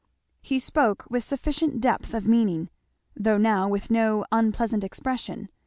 He spoke with sufficient depth of meaning, though now with no unpleasant expression.